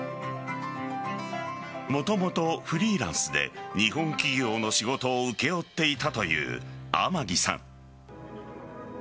もともとフリーランスで日本企業の仕事を請け負っていたという天城さん。